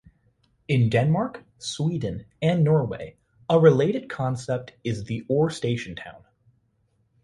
In Denmark, Sweden and Norway, a related concept is the or "station town".